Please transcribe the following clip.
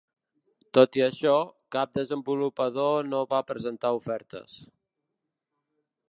Tot i això, cap desenvolupador no va presentar ofertes.